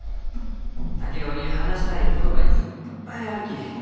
竹雄に話したいことがいっぱいあるき。